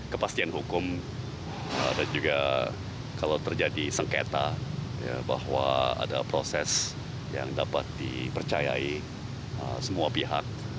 kepastian hukum dan juga kalau terjadi sengketa bahwa ada proses yang dapat dipercayai semua pihak